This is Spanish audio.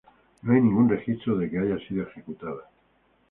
No hay ningún registro de que haya sido ejecutada.